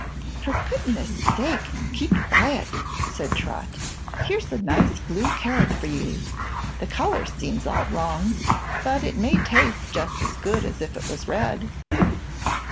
"For goodness sake, keep quiet," said Trot. "Here's a nice blue carrot for you. The color seems all wrong, but it may taste jus' as good as if it was red."